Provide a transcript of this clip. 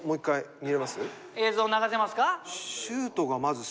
映像流せますか？